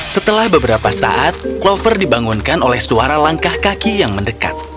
setelah beberapa saat clover dibangunkan oleh suara langkah kaki yang mendekat